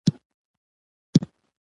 ایا د ادبي ورځو لمانځل کومه ګټه لري؟